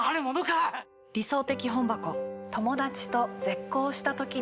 「理想的本箱」。